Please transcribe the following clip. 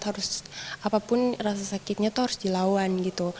harus apapun rasa sakitnya harus dilawan